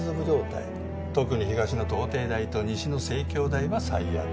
特に東の東帝大と西の西京大は最悪。